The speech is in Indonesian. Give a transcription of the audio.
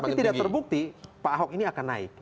tapi tidak terbukti pak ahok ini akan naik